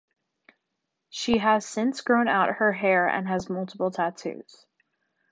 She has since grown out her hair and has multiple tattoos.